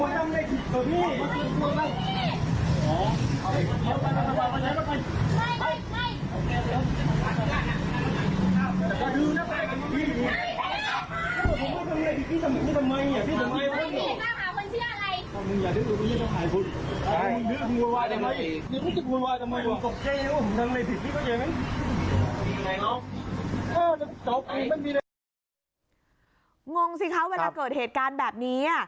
งงสิคะเวลาเกิดเหตุการณ์แบบนี้